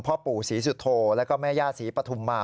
พ่อปู่ศรีสุโธแล้วก็แม่ย่าศรีปฐุมมา